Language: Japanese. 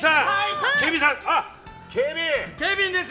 ケビンです。